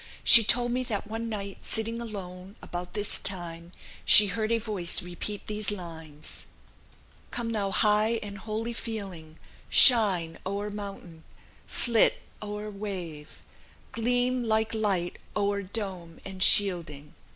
"She told me that one night, sitting alone, about this time, she heard a voice repeat these lines: "'Come thou high and holy feeling, Shine o'er mountain, flit o'er wave, Gleam like light o'er dome and shielding.'